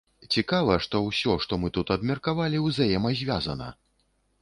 Цікава, што ўсё, што мы тут абмеркавалі, узаемазвязана.